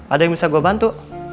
ada yang bisa gue bantu